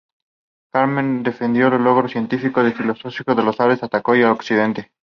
Kemal defendió los logros científicos y filosóficos de los árabes y atacó a Occidente.